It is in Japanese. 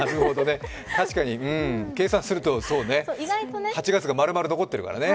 確かに計算すると、そうね、８月が丸々残ってるからね。